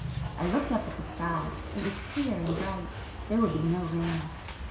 I looked up at the sky; it was clear and bright,—there would be no rain.